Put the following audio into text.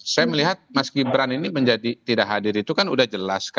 saya melihat mas gibran ini menjadi tidak hadir itu kan udah jelas